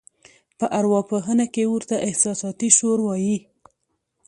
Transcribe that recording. په اروا پوهنه کې ورته احساساتي شور وایي.